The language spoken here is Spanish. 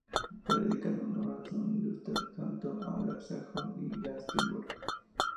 Fue dedicada en honor de San Dunstán santo anglosajón de Glastonbury.